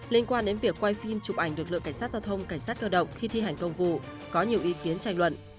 liên quan đến việc quay phim chụp ảnh lực lượng cảnh sát giao thông cảnh sát cơ động khi thi hành công vụ có nhiều ý kiến tranh luận